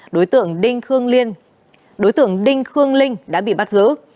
đối tượng đinh khương linh đã bị bắt giữ